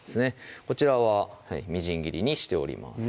こちらはみじん切りにしております